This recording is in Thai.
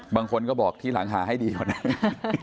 บางคนก็บอกที่หลังหาให้ดีกว่านั้น